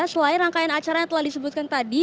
selain rangkaian acara yang telah disebutkan tadi